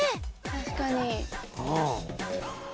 確かに。